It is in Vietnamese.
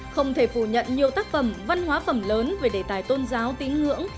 không thể phủ nhận nhiều tác phẩm văn hóa phẩm lớn về đề tài tôn giáo tín ngưỡng